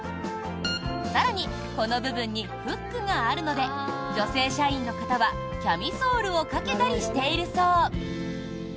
更に、この部分にフックがあるので女性社員の方はキャミソールをかけたりしているそう。